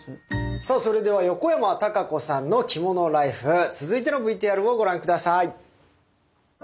さあそれでは横山タカ子さんの着物ライフ続いてのＶＴＲをご覧下さい。